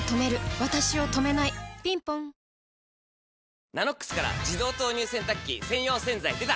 わたしを止めないぴんぽん「ＮＡＮＯＸ」から自動投入洗濯機専用洗剤でた！